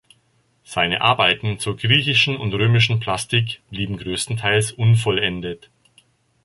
Seine Arbeiten zur griechischen und römischen Plastik blieben größtenteils unvollendet.